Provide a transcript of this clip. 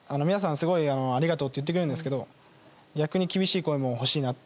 すごくありがとうと言ってくれるんですけど逆に厳しい声も欲しいなと。